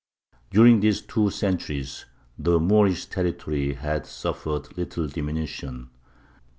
During these two centuries the Moorish territory had suffered little diminution.